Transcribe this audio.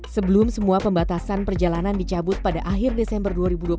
sebelum semua pembatasan perjalanan dicabut pada akhir desember dua ribu dua puluh